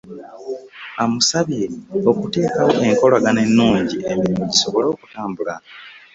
Amusabye okuteekawo enkolagana ennungi emirimu gisobole okutambula.